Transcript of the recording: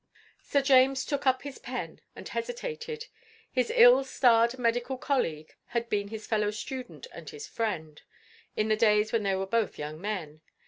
Sir James took up his pen and hesitated. His ill starred medical colleague had been his fellow student and his friend, in the days when they were both young men.